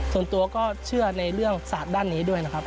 ส่วนตัวก็เชื่อในเรื่องศาสตร์ด้านนี้ด้วยนะครับ